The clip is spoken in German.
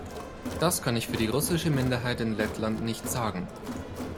Das kann ich für die russische Minderheit in Lettland nicht sagen.